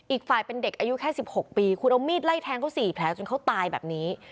อีกฝ่ายเป็นเด็กอายุแค่๑๖ปีคุณเอามีดไล่แทงเขา๔แผลจนเขาตายแบบนี้